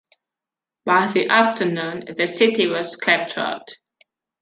By the afternoon, the city was captured.